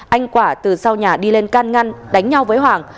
anh quả từ sau nhà đi lên can ngăn đánh nhau với hoàng